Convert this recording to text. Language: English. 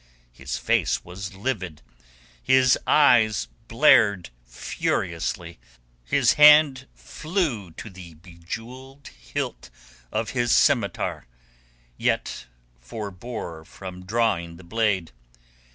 His face was livid, his eyes blared furiously, his hand flew to the jewelled hilt of his scimitar, yet forbore from drawing the blade.